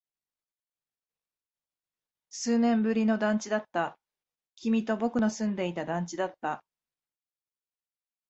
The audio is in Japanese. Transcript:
数年ぶりの団地だった。君と僕の住んでいた団地だった。